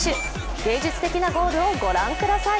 芸術的なゴールをご覧ください。